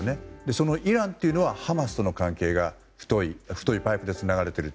そのイランというのはハマスとの関係が太いパイプでつながれている。